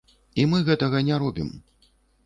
І мы гэтага не робім.